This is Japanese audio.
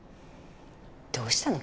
どうしたの？